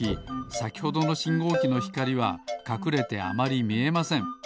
さきほどのしんごうきのひかりはかくれてあまりみえません。